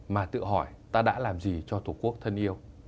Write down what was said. mà tự hỏi ta đã làm gì cho tổ quốc thân yêu